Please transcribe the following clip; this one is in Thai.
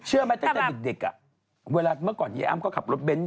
เชื่อมั้ยตั้งแต่เด็กอะเวลาเมื่อก่อนเย้ออ้ำก็ขับรถเบน